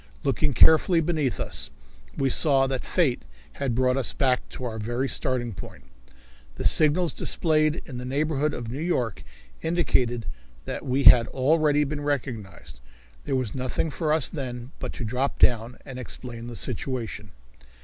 Looking carefully beneath us, we saw that fate had brought us back to our very starting point, and signals displayed in the neighborhood of New York indicated that we had already been recognized. There was nothing for us then but to drop down and explain the situation.